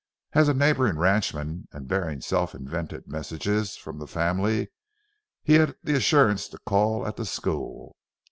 As a neighboring ranchman, and bearing self invented messages from the family, he had the assurance to call at the school.